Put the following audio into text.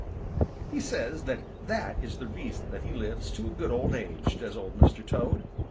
He says that that is the reason that he lives to a good old age, does Old Mr. Toad.